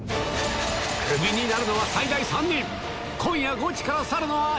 クビになるのは最大３人。